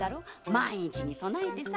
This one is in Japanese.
万一に備えてさ。